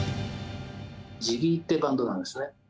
ジギーってバンドなんですね。